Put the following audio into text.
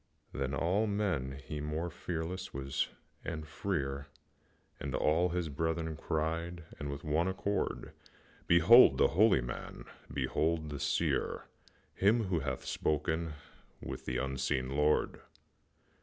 Than all men he more fearless was and freer, And all his brethren cried with one accord, "Behold the holy man! Behold the Seer! Him who hath spoken with the unseen Lord!"